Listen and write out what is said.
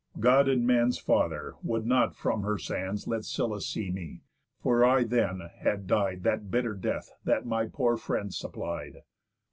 God and man's Father would not from her sands Let Scylla see me, for I then had died That bitter death that my poor friends supplied.